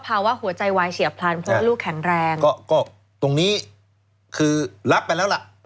ภาวะหัวใจวายเฉียบพลันเพราะว่าลูกแข็งแรงก็ก็ตรงนี้คือรับไปแล้วล่ะ